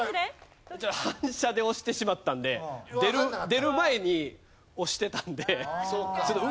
反射で押してしまったんで出る前に押してたんで。